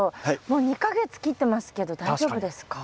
もう２か月切ってますけど大丈夫ですか？